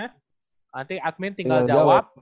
nanti admin tinggal jawab